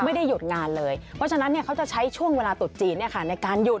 ไม่ได้หยุดงานเลยเพราะฉะนั้นเขาจะใช้ช่วงเวลาตุดจีนในการหยุด